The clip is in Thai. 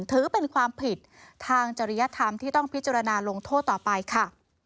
ถือเป็นความผิดทางจริยธรรมที่ต้องพิจารณาลงโทษต่อไปค่ะ